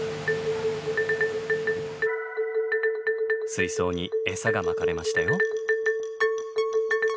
水槽にエサがまかれましたよ。